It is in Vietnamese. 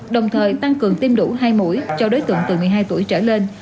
đồng thời tăng cường tiêm đủ hai mũi cho đối tượng từ một mươi hai tuổi trở lên